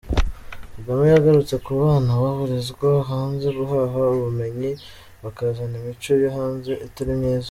Kagame yagarutse ku bana boherezwa hanze guhaha ubumenyi, bakazana imico yo hanze itari myiza.